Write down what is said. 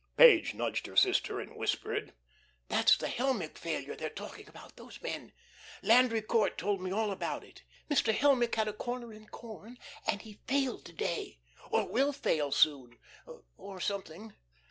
Page nudged her sister and whispered: "That's the Helmick failure they're talking about, those men. Landry Court told me all about it. Mr. Helmick had a corner in corn, and he failed to day, or will fail soon, or something."